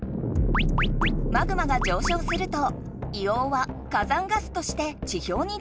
マグマが上しょうすると硫黄は火山ガスとして地ひょうに出てくる。